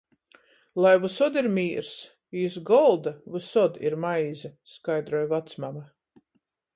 Lai vysod ir mīrs, i iz golda — vysod ir maize, skaidroj vacmama.